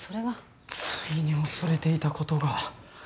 ついに恐れていたことが。